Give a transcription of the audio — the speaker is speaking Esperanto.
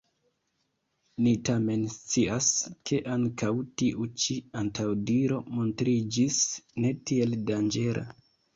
Ni tamen scias, ke ankaŭ tiu ĉi antaŭdiro montriĝis ne tiel danĝera.